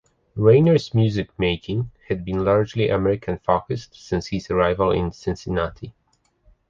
Reiner's music-making had been largely American-focused since his arrival in Cincinnati.